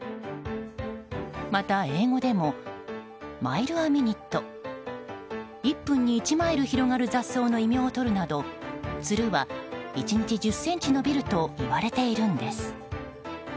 また、英語でもマイル・ア・ミニット「１分に１マイル広がる雑草」の異名をとるなどつるは１日１０ｃｍ伸びるといわれているんです。